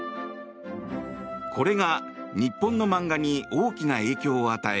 これが日本の漫画に大きな影響を与え